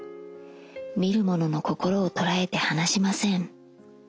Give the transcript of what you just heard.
見る者の心を捉えて離しません。